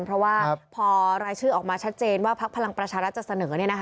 เพราะว่าพอรายชื่อออกมาชัดเจนว่าพักพลังประชารัฐจะเสนอ